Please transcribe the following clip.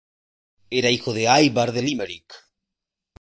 Era hijo de Ivar de Limerick.